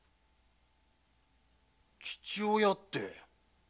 父親って。